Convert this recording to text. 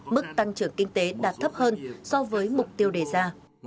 mức tăng trưởng kinh tế đạt thấp hơn so với mục tiêu đề ra